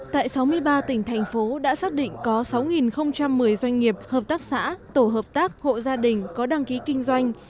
tại sáu mươi ba tỉnh thành phố đã xác định có sáu một mươi doanh nghiệp hợp tác xã tổ hợp tác hộ gia đình có đăng ký kinh doanh